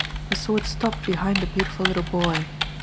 I saw it stop behind the beautiful little boy.